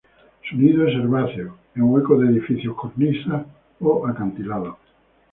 Su nido es herbáceo, en huecos de edificios, cornisas o acantilados.